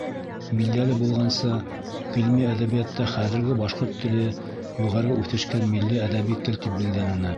Билдәле булғанса, ғилми әҙәбиәттә хәҙерге башҡорт теле юғары үҫешкән милли әҙәби тел тип билдәләнә.